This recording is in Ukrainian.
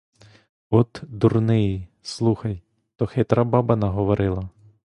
От дурний, слухай, то хитра баба наговорила!